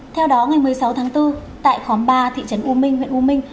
theo đó ngày một mươi sáu tháng bốn tại khóm ba thị trấn u minh huyện u minh